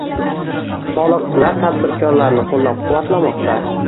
Soliqchilar tadbirkorlarni qo‘llab-quvvatlamoqda